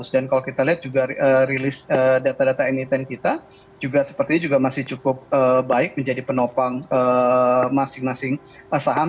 dan kalau kita lihat juga rilis data data emiten kita juga sepertinya juga masih cukup baik menjadi penopang masing masing saham